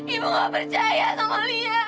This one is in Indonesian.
ibu gak percaya sama beliau